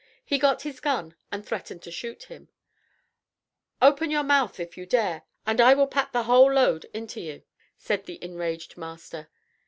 "He got his gun and threatened to shoot him," "Open your mouth if you dare, and I will pat the whole load into you," said the enraged master.